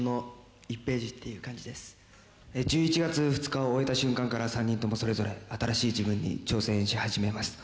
１１月２日を終えた瞬間から３人ともそれぞれ新しい自分に挑戦し始めます。